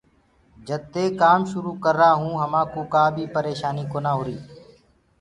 جد دي ڪآم شروُ ڪررآ هونٚ همآ ڪوُ ڪآ بيٚ پريشآنيٚ ڪونآ هوريٚ۔